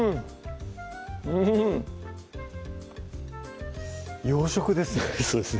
うん洋食ですね